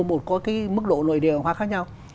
một có cái mức độ nội địa hóa khác nhau